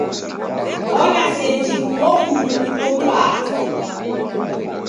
Wona seji uo mundu uko m'baa